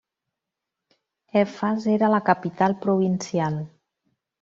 Efes era la capital provincial.